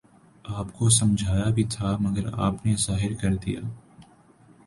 آپ کو سمجھایا بھی تھا مگر آپ نے ظاہر کر دیا۔